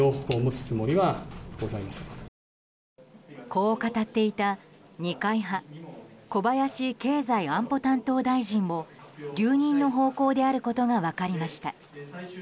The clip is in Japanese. こう語っていた二階派小林経済安保担当大臣も留任の方向であることが分かりました。